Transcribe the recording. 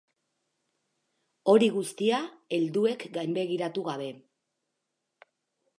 Hori guztia helduek gainbegiratu gabe.